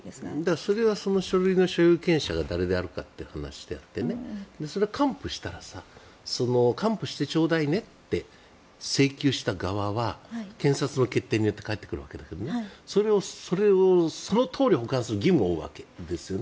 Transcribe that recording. それはその書類の有権者が誰であるかって話であってそれは還付したら還付してちょうだいねって請求した側は検察の決定によって返ってくるわけだけどそれをそのとおり保管する義務を負うわけですよね。